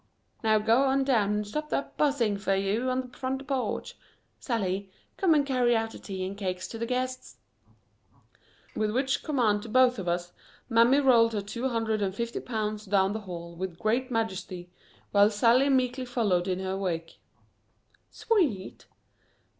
Now go on down and stop that buzzing fer you on the front porch. Sallie, come and carry out the tea and cakes to the guests," with which command to both of us Mammy rolled her two hundred and fifty pounds down the hall with great majesty, while Sallie meekly followed in her wake. "Sweet!